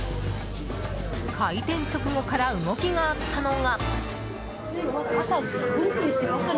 開店直後から動きがあったのが。